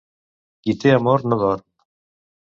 Qui té amor no dorm.